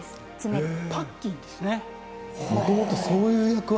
パッキンですね。